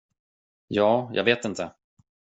Ja, jag vet inte.